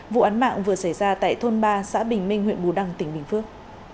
vụ án mạng vừa xảy ra tại thôn ba xã bình minh huyện bù đăng tỉnh bình phước